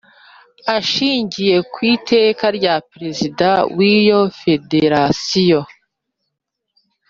Ashingiye ku Iteka rya Perezida wiyo federasiyo